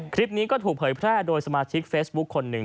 คลิปนี้ก็ถูกเผยแพร่โดยสมาชิกเฟซบุ๊คคนหนึ่ง